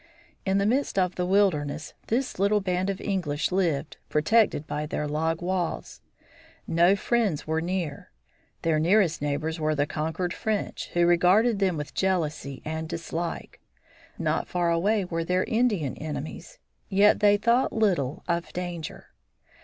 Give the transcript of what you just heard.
In the midst of the wilderness this little band of English lived protected by their log walls. No friends were near. Their nearest neighbors were the conquered French, who regarded them with jealousy and dislike. Not far away were their Indian enemies. Yet they thought little of danger.